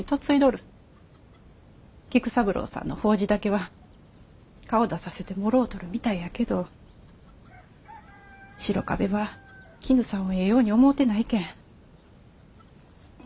菊三郎さんの法事だけは顔出させてもろうとるみたいやけど白壁はキヌさんをええように思うてないけん。